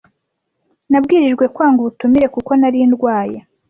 Nabwirijwe kwanga ubutumire kuko nari ndwaye.